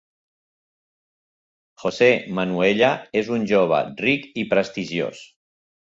José Manuella és un jove ric i prestigiós.